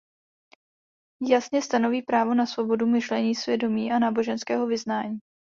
Jasně stanoví právo na svobodu myšlení, svědomí a náboženského vyznání.